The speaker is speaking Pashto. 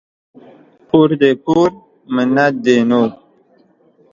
پور دي پور ، منت دي نور.